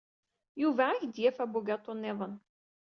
Yuba ad ak-d-yaf abugaṭu niḍen.